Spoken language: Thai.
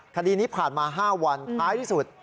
คดีนี้ผ่านมา๕วันท้ายที่สุด